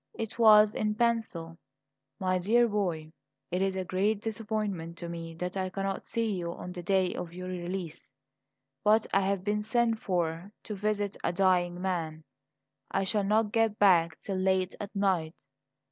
It was in pencil: "My Dear Boy: It is a great disappointment to me that I cannot see you on the day of your release; but I have been sent for to visit a dying man. I shall not get back till late at night.